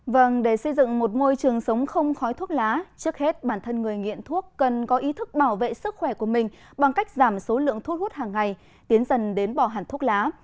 vâng để xây dựng một môi trường sống không khói thuốc lá trước hết bản thân người nghiện thuốc cần có ý thức bảo vệ sức khỏe của mình bằng cách giảm số lượng thuốc hút hàng ngày tiến dần đến bỏ hẳn thuốc lá